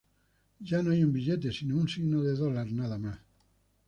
Ya no hay un billete, sino un signo de dólar nada más.